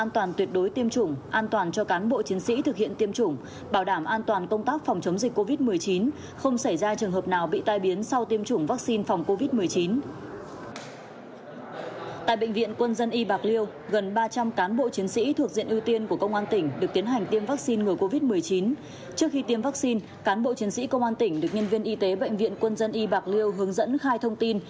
trước khi tiêm vaccine cán bộ chiến sĩ công an tỉnh được nhân viên y tế bệnh viện quân dân y bạc liêu hướng dẫn khai thông tin